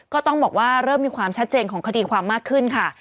ก็ต้องบอกว่าเริ่มมีความชัดเจนของคดีความมากขึ้นค่ะ